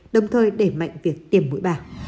đồng thời để mạnh việc tiêm mũi ba